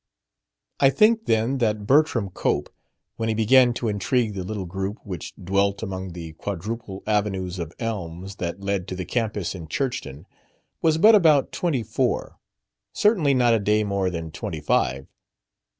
I think, then, that Bertram Cope, when he began to intrigue the little group which dwelt among the quadruple avenues of elms that led to the campus in Churchton, was but about twenty four, certainly not a day more than twenty five.